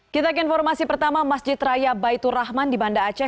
kita ke informasi pertama masjid raya baitur rahman di banda aceh